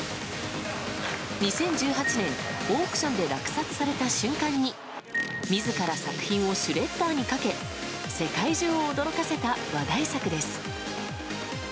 ２０１８年オークションで落札された瞬間に自ら作品をシュレッダーにかけ世界中を驚かせた話題作です。